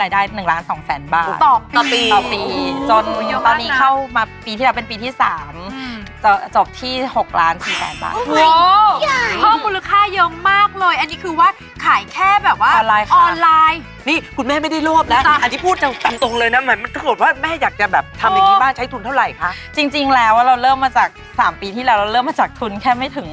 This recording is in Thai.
ตอนนี้เข้ามาปีที่เราเป็นปีที่๓จะจบที่๖ล้าน๔แสนบาทโอ้โหพ่อมูลค่าเยอะมากเลยอันนี้คือว่าขายแค่แบบว่าออนไลน์ค่ะออนไลน์ค่ะนี่คุณแม่ไม่ได้โลภนะอันนี้พูดตามตรงเลยนะหมายถึงว่าแม่อยากจะแบบทำอย่างนี้บ้างใช้ทุนเท่าไหร่คะจริงแล้วเราเริ่มมาจาก๓ปีที่แล้วเราเริ่มมาจากทุนแค่ไม่ถึ